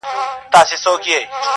دُرانیډک له معناوو لوی انسان دی,